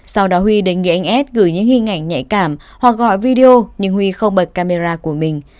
sau đó huy đánh nghĩa anh ad gửi những hình ảnh nhạy cảm hoặc gọi video nhưng huy không bật camera của mình